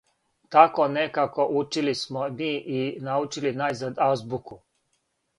Тако некако учили смо ми и научили најзад азбуку.